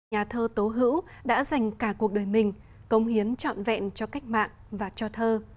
nhà thơ tố hữu đã dành cả cuộc đời mình công hiến trọn vẹn cho cách mạng và cho thơ